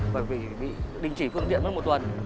và bị đình chỉ phương tiện mất một tuần